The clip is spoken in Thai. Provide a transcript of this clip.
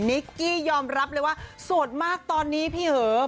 นิกกี้ยอมรับเลยว่าโสดมากตอนนี้พี่เหอ